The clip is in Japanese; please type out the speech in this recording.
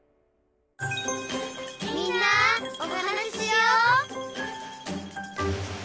「みんなおはなししよう」